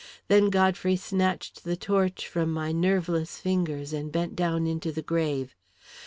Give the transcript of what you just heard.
Then Godfrey snatched the torch from my nerveless fingers, and bent down into the grave.